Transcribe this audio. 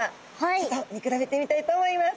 ちょっと見比べてみたいと思います。